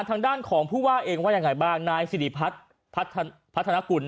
ทางด้านของผู้ว่าเองว่าอย่างไรบ้างนายสิริพัทธนกุลนะฮะ